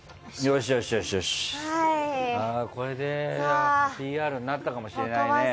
これでＰＲになったかもしれないね。